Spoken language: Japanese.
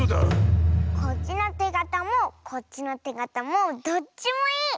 こっちのてがたもこっちのてがたもどっちもいい！